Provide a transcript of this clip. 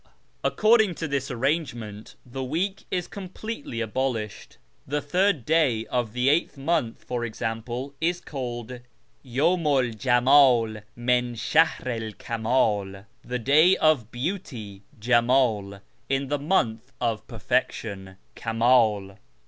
According to this arrangement, the week is completely abolished : the third day of the eighth month, for example, is called Ycaomu 'l Jemdl tnin shahri 'l Kamal, " the day of Beauty (Jemdl) in the month of Perfection (Kamdl)."